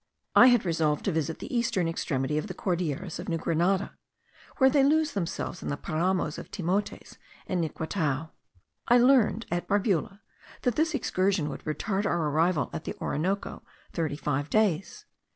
I had resolved to visit the eastern extremity of the Cordilleras of New Grenada, where they lose themselves in the paramos of Timotes and Niquitao. I learned at Barbula, that this excursion would retard our arrival at the Orinoco thirty five days.